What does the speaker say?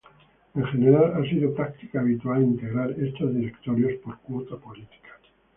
En general ha sido práctica habitual integrar estos directorios por cuota política.